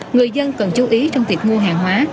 người dân cần chú ý trong việc mua hàng hóa